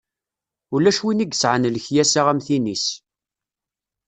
Ulac win i yesɛan lekyasa am tin-is.